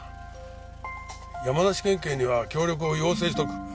山梨県警には協力を要請しておく。